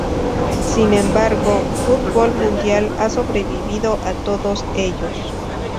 Sin embargo, Fútbol Mundial ha sobrevivido a todos ellos.